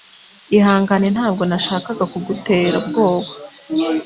Ihangane ntabwo nashakaga kugutera ubwoba